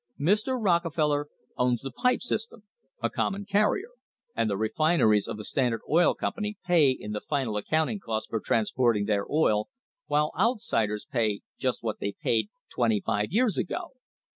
Mr. Rockefeller owns the pipe system a common carrier and the refineries of the Standard Oil Company pay in the final accounting cost for transporting their oil, while outsiders pay just what they paid twenty five years ago.